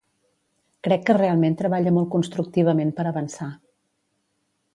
Crec que realment treballa molt constructivament per avançar.